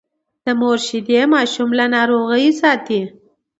د مور شیدې ماشوم له ناروغیو ساتي۔